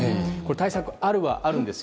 対策があるはあるんです。